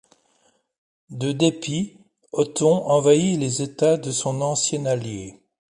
De dépit, Othon envahit les états de son ancien allié.